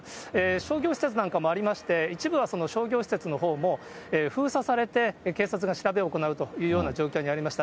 商業施設なんかもありまして、一部はその商業施設のほうも封鎖されて、警察が調べを行うというような状況にありました。